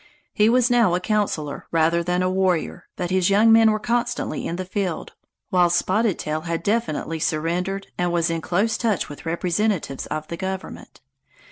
He was now a councilor rather than a warrior, but his young men were constantly in the field, while Spotted Tail had definitely surrendered and was in close touch with representatives of the government.